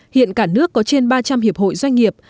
hiện cả nước có trên ba trăm linh hiệp hội doanh nghiệp